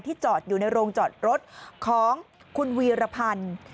จอดอยู่ในโรงจอดรถของคุณวีรพันธ์